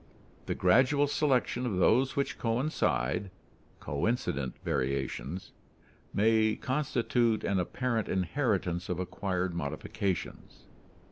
The gradual selection of those which coincide (coincident variations) may constitute an apparent inheritance of acquired modifications."